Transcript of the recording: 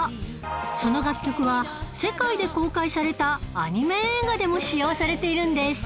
その楽曲は世界で公開されたアニメ映画でも使用されているんです